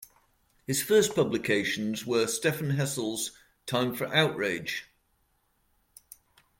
His first publications were Stephane Hessel's Time for Outrage!